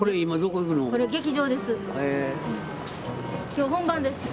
今日本番です。